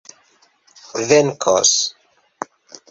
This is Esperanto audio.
venkos